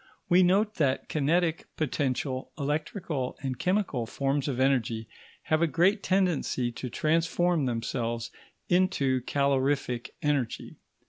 We note that kinetic, potential, electrical, and chemical forms of energy have a great tendency to transform themselves into calorific energy.